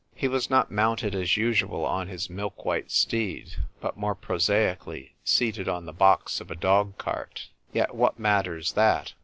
He was not mounted as usual on his milk white steed, but more prosaically seated on the box of a dog cart. Yet what matters that